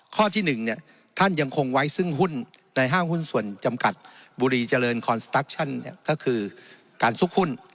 ข้อที่๑ท่านยังคงไว้ซึ่งหุ้นในห้างหุ้นส่วนจำกัดบุรีเจริญคอนสตัคชั่นก็คือการซุกหุ้น